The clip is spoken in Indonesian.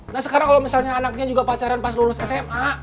nah sekarang kalau misalnya anaknya juga pacaran pas lulus sma